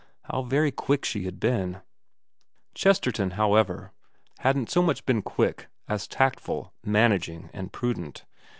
How very quick she had been ! Chesterton, however, hadn't so much been quick as tactful, managing, and prudent.